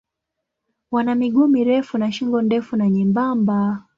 Wana miguu mirefu na shingo ndefu na nyembamba.